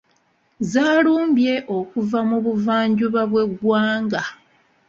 Zaalumbye okuva mu buvanjuba bw'eggwanga.